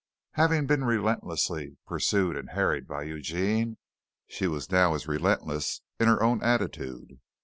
Having been relentlessly pursued and harried by Eugene, she was now as relentless in her own attitude.